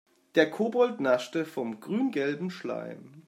Der Kobold naschte vom grüngelben Schleim.